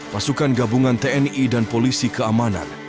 pasukan gabungan tni dan polisi keamanan